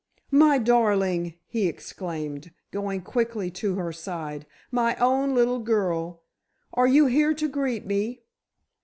"My darling!" he exclaimed, going quickly to her side, "my own little girl! Are you here to greet me?"